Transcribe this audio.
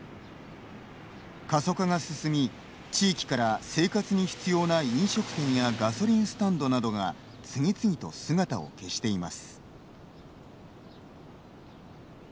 過疎化が進み地域から生活に必要な飲食店やガソリンスタンドなどが次々と姿を消しています。